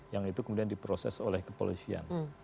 yang itu kemudian diproses oleh kepolisian